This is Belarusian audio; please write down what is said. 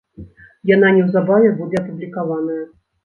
Яна неўзабаве будзе апублікаваная.